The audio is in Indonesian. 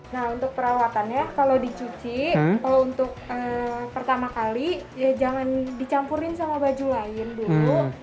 nah untuk perawatannya kalau dicuci kalau untuk pertama kali ya jangan dicampurin sama baju lain dulu